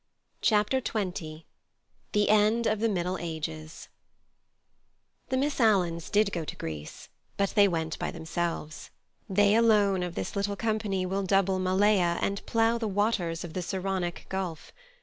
Chapter XX The End of the Middle Ages The Miss Alans did go to Greece, but they went by themselves. They alone of this little company will double Malea and plough the waters of the Saronic gulf.